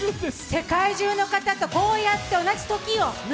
世界中の方とこうやって同じ時を。